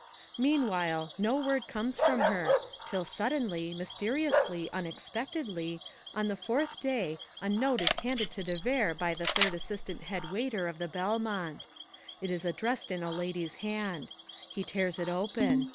Meanwhile no word comes from her, till suddenly, mysteriously, unexpectedly, on the fourth day a note is handed to de Vere by the Third Assistant Head Waiter of the Belmont. It is addressed in a lady's hand. He tears it open.